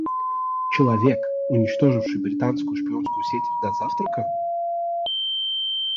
Человек, уничтоживший британскую шпионскую сеть до завтрака?